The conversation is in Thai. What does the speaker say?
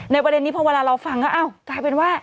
ประเด็นนี้พอเวลาเราฟังก็อ้าวกลายเป็นว่า